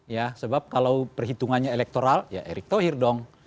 ya sebab kalau perhitungannya elektoral ya erick thohir dong